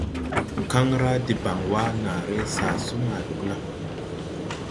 Kaŋ ra deban wa, naaré sasu ma Dugla.